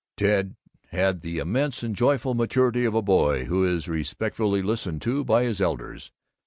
Ted had the immense and joyful maturity of a boy who is respectfully listened to by his elders.